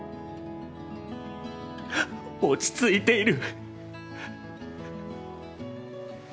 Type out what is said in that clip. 「落ち付いている」。